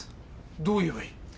どう言えばいい？